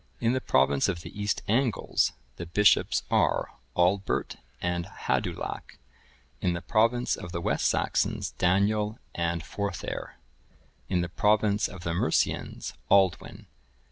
In the province of the East Angles, the bishops are Aldbert and Hadulac;(1015) in the province of the West Saxons, Daniel and Forthere;(1016) in the province of the Mercians, Aldwin.